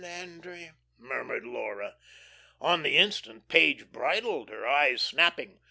"Oh Landry," murmured Laura. On the instant Page bridled, her eyes snapping.